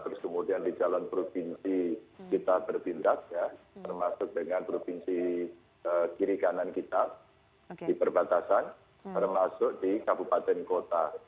terus kemudian di jalan provinsi kita bertindak ya termasuk dengan provinsi kiri kanan kita di perbatasan termasuk di kabupaten kota